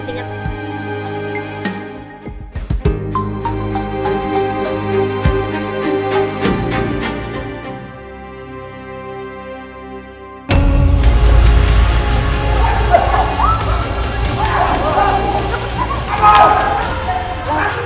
jadi yang tepatlah sudah menyaksikan